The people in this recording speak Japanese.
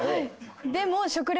でも。